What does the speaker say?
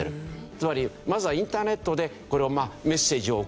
つまりまずはインターネットでメッセージを送る。